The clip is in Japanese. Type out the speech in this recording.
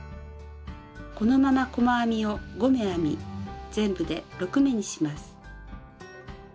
このまま細編みを５目編み全部で６目にします。